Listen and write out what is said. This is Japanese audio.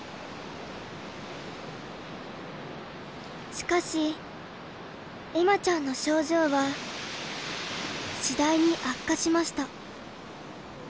しかし恵麻ちゃんの症状は次第に悪化しました。